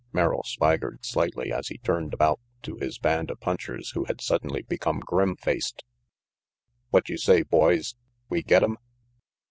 Merrill swaggered slightly as he turned about to his band of punchers who had suddenly become grim faced. "What you say, boys? We get 'em?"